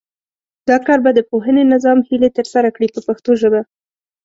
دا کار به د پوهنې نظام هیلې ترسره کړي په پښتو ژبه.